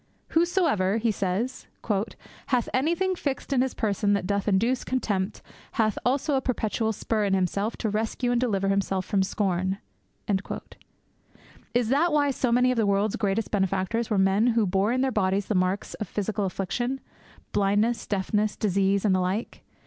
'Whosoever,' he says, 'hath anything fixed in his person that doth induce contempt hath also a perpetual spur in himself to rescue and deliver himself from scorn.' Is that why so many of the world's greatest benefactors were men who bore in their bodies the marks of physical affliction blindness, deafness, disease, and the like?